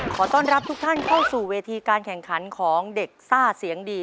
ขอต้อนรับทุกท่านเข้าสู่เวทีการแข่งขันของเด็กซ่าเสียงดี